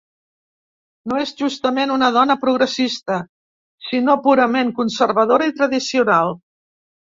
No és justament una dona progressista, sinó purament conservadora i tradicional.